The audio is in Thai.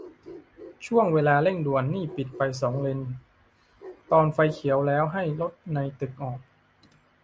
ช่วงเวลาเร่งด่วนนี่ปิดไปสองเลนตอนไฟเขียวแล้วให้รถในตึกออก